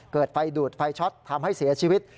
เกิดไฟดูดไฟช็อตทำให้เสียชีวิต